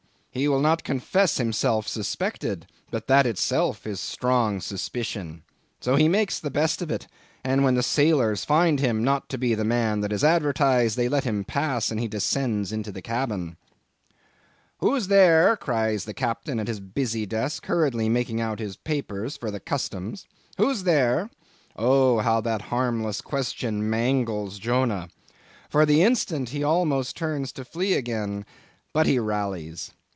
He will not confess himself suspected; but that itself is strong suspicion. So he makes the best of it; and when the sailors find him not to be the man that is advertised, they let him pass, and he descends into the cabin. "'Who's there?' cries the Captain at his busy desk, hurriedly making out his papers for the Customs—'Who's there?' Oh! how that harmless question mangles Jonah! For the instant he almost turns to flee again. But he rallies.